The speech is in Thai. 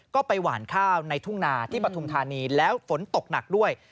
ก็ไปหวานข้าวในทุ่งนาที่ปฐุมธานีแล้วฝนตกหนักด้วย